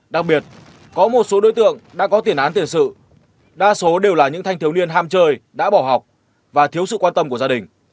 đặc biệt có một số đối tượng đã có tiền án tiền sự đa số đều là những thanh thiếu niên ham chơi đã bỏ học và thiếu sự quan tâm của gia đình